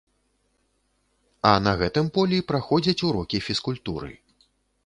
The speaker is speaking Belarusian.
А на гэтым полі праходзяць урокі фізкультуры.